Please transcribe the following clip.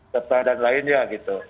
serta dan lainnya gitu